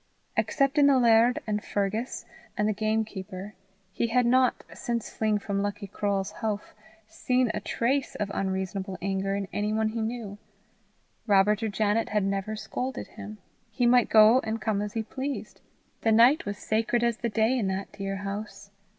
Except in the laird and Fergus and the gamekeeper, he had not, since fleeing from Lucky Croale's houff, seen a trace of unreasonable anger in any one he knew. Robert or Janet had never scolded him. He might go and come as he pleased. The night was sacred as the day in that dear house.